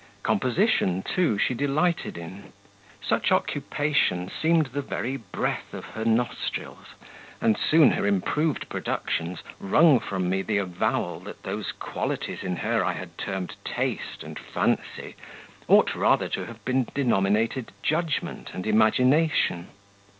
Composition, too, she delighted in. Such occupation seemed the very breath of her nostrils, and soon her improved productions wrung from me the avowal that those qualities in her I had termed taste and fancy ought rather to have been denominated judgment and imagination.